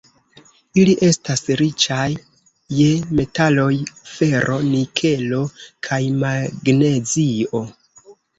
Ili estas riĉaj je metaloj: fero, nikelo kaj magnezio.